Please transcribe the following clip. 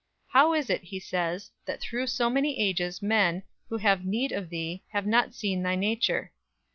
How is it, he says, that through so many ages men, who have need of thee, have not seen thy nature?